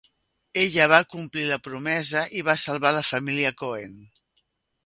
Ella va acomplir la promesa i va salvar la família Cohen.